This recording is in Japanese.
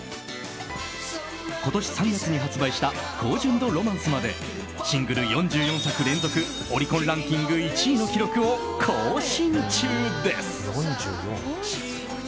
今年３月に発売した「高純度ｒｏｍａｎｃｅ」までシングル４４作連続オリコンランキング１位の記録を更新中です。